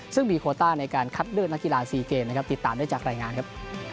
ซึ่งมีโคต้าในการคัดเลือกนักกีฬาซีเกมนะครับติดตามได้จากรายงานครับ